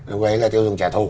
như vậy là tiêu dùng trả thu